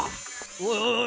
おいおい